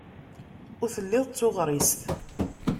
Ur telliḍ d tuɣrist.